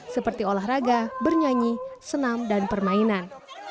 seperti olahraga bernyanyi senam dan permainan